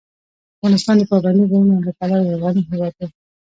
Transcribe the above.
افغانستان د پابندي غرونو له پلوه یو غني هېواد دی.